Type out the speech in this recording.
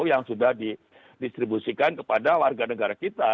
yang sudah didistribusikan kepada warga negara kita